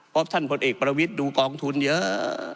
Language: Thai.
เพราะท่านพลเอกประวิทย์ดูกองทุนเยอะ